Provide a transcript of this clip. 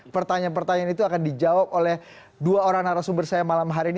pertanyaan pertanyaan itu akan dijawab oleh dua orang narasumber saya malam hari ini